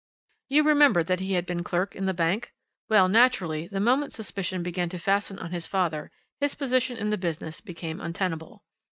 "You remember that he had been clerk in the bank? Well, naturally, the moment suspicion began to fasten on his father his position in the business became untenable.